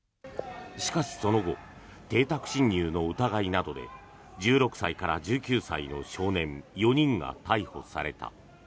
しかし、その後邸宅侵入の疑いなどで１６歳から１９歳の少年４人が逮捕された。